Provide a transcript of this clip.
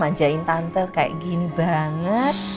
majain tante kayak gini banget